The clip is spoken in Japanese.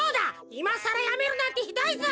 いまさらやめるなんてひどいぞ！